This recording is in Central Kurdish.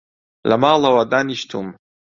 لە ماڵەوە دانیشتووم